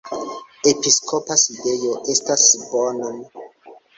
Episkopa sidejo estas Bonn.